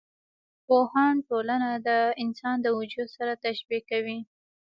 پوهان ټولنه د انسان د وجود سره تشبي کوي.